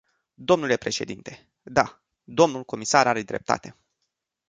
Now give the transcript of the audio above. Domnule președinte, da, dl comisar are dreptate.